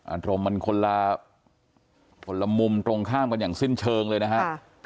อันโทรมมันคนละมุมตรงข้ามกันอย่างสิ้นเชิงเลยนะฮะ